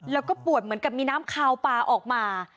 แล้วก็ปวดเหมือนกับมีน้ำคาวปลาออกมา